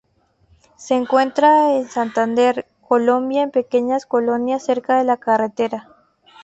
Se encuentra en Santander, Colombia en pequeñas colonias cerca de la carretera.